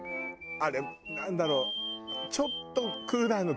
あれなんだろう？